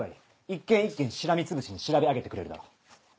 一軒一軒しらみつぶしに調べ上げてくれるだろう。